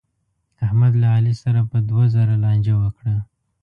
احمد له علي سره په دوه زره لانجه وکړه.